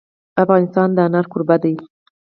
افغانستان د انار کوربه دی.